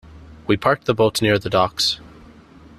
We parked the boat near the docks.